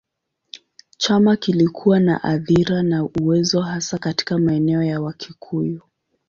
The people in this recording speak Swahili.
Chama kilikuwa na athira na uwezo hasa katika maeneo ya Wakikuyu.